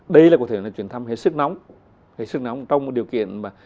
đấy là câu chuyện là truyền thăm hết sức nóng hết sức nóng trong điều kiện mà